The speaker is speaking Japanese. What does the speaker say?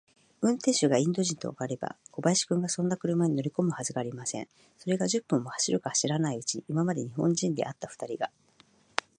運転手がインド人とわかれば、小林君がそんな車に乗りこむわけがありません。それが、十分も走るか走らないうちに、今まで日本人であったふたりが、